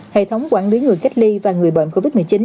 hệ thống quản lý người cách ly và người bệnh covid một mươi chín